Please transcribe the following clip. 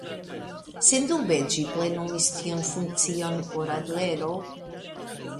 Sendube ĝi plenumis tiun funkcion por Adlero.